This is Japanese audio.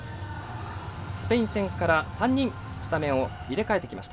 スペイン戦から３人スタメンを入れ替えてきました。